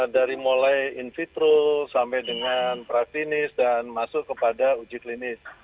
dari mulai in vitro sampai dengan prafinis dan masuk kepada uji klinis